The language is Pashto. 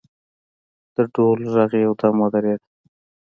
د ډول غږ یو دم ودرېد.